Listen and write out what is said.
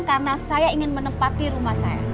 karena saya ingin menempati rumah saya